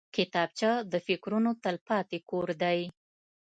کتابچه د فکرونو تلپاتې کور دی